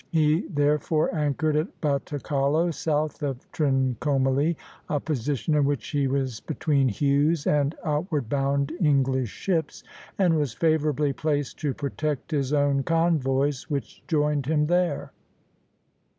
He therefore anchored at Batacalo, south of Trincomalee, a position in which he was between Hughes and outward bound English ships, and was favorably placed to protect his own convoys, which joined him there.